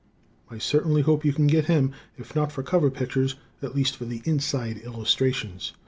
I certainly hope you can get him, if not for cover pictures, at least for the inside illustrations.